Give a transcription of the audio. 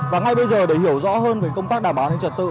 và ngay bây giờ để hiểu rõ hơn về công tác đảm bảo an ninh trật tự